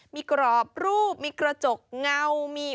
มีกรอบรูปมีกระจกเงามี